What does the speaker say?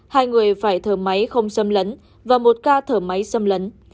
hai người phải thở máy không xâm lấn và một ca thở máy xâm lấn